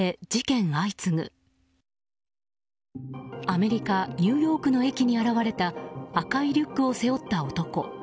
アメリカ・ニューヨークの駅に現れた赤いリュックを背負った男。